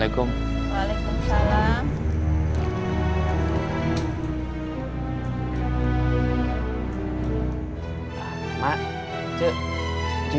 saya akan cari diatih sampai ketemu